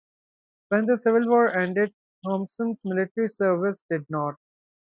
When the Civil War ended, Thompson's military service did not.